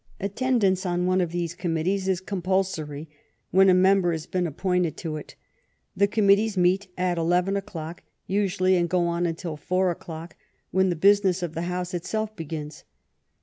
At tendance on one of those committees is compulsory when a member has been appointed to it. The committees meet at eleven o'clock, usually, and go on until four o'clock, when the business of the House itself begins.